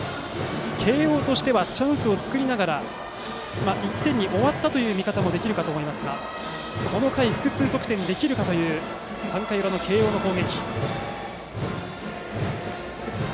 慶応としてはチャンスを作りながら１点に終わったという見方もできるかと思いますがこの回、複数得点できるかという３回裏の慶応の攻撃。